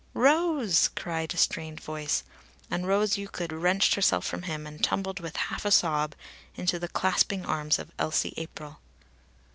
"Rose!" cried a strained voice, and Rose Euclid wrenched herself from him and tumbled with half a sob into the clasping arms of Elsie April.